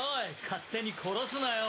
勝手に殺すなよ。